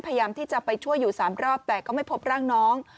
พยายามที่จะไปช่วยอยู่๓รอบแต่ก็ไม่พบร่างน้อง